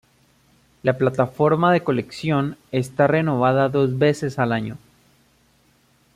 La plataforma de colección está renovada dos veces al año.